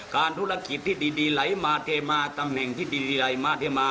ธุรกิจที่ดีไหลมาเทมาตำแหน่งที่ดีไหลมาเทมา